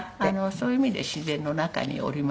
そういう意味で自然の中におりますので。